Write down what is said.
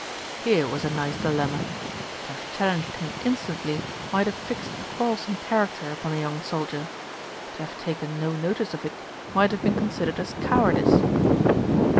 Here was a nice dilemma. To have challenged him instantly, might have fixed a quarrelsome character upon the young soldier: to have taken no notice of it might have been considered as cowardice.